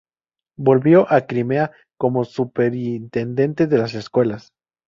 Volvió a Crimea como superintendente de las escuelas.